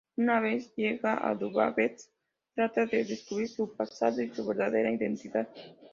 Una vez llega a Budapest, trata de descubrir su pasado y su verdadera identidad.